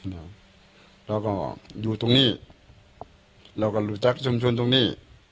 เราก็อยู่ตรงนี้เราก็รู้จักชุมชนตรงนี้